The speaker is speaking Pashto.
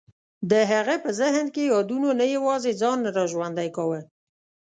د هغه په ذهن کې یادونو نه یوازې ځان نه را ژوندی کاوه.